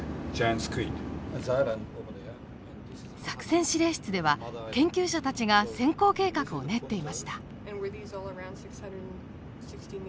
作戦司令室では研究者たちが潜航計画を練っていました。